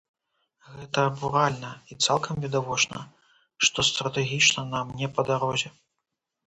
Гэта абуральна, і цалкам відавочна, што стратэгічна нам не па дарозе.